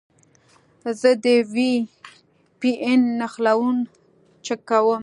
زه د وي پي این نښلون چک کوم.